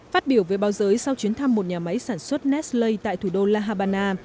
phát biểu về bao giới sau chuyến thăm một nhà máy sản xuất nestle tại thủ đô la habana